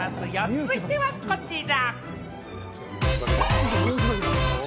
続いてはこちら。